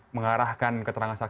mengarahkan keterangan saksi